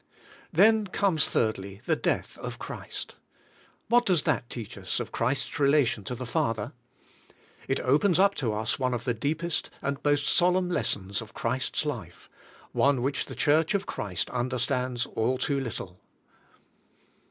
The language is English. Then comes, thirdly, the death of Christ. What does that teach us of Christ's relation to the Father? It opens up to us one of the deepest and most solemn lessons of Christ life, one which the Church of Christ understands all too little.